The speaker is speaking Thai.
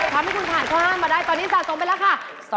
ทำให้คุณผ่านข้อห้ามมาได้ตอนนี้สะสมไปแล้วค่ะ